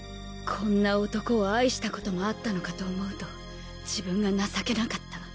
こんな男を愛したこともあったのかと思うと自分が情けなかった。